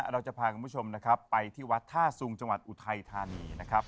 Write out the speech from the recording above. เราจะพาคุณผู้ชมนะครับไปที่วัดท่าสุงจังหวัดอุทัยธานีนะครับ